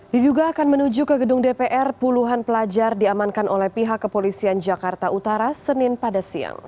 diduga akan menuju ke gedung dpr puluhan pelajar diamankan oleh pihak kepolisian jakarta utara senin pada siang